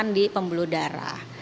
yang di pembuluh darah